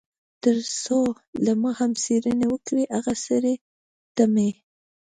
تر څو له ما هم څېړنې وکړي، هغه سړي ته مې.